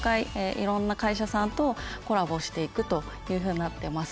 いろんな会社さんとコラボしていくというふうになってます。